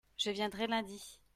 je viendrai lundi.